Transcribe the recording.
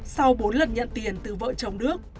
sau bốn lần nhận tiền từ vợ chồng đức